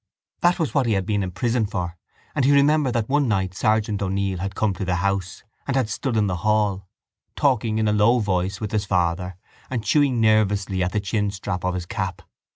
That was what he had been in prison for and he remembered that one night Sergeant O'Neill had come to the house and had stood in the hall, talking in a low voice with his father and chewing nervously at the chinstrap of his cap.